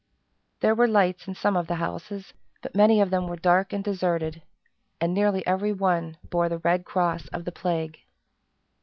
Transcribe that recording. There were lights in some of the houses, but many of them were dark and deserted, and nearly every one bore the red cross of the plague.